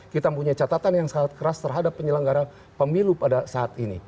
kita punya catatan yang sangat keras terhadap penyelenggara pemilu pada saat ini